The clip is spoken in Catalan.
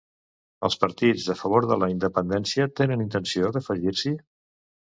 Els partits a favor de la independència tenen intenció d'afegir-s'hi?